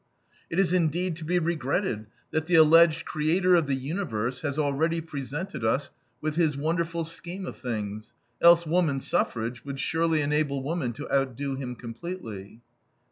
It is indeed to be regretted that the alleged creator of the universe has already presented us with his wonderful scheme of things, else woman suffrage would surely enable woman to outdo him completely.